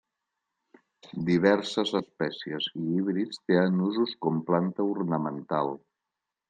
Diverses espècies i híbrids tenen usos com planta ornamental.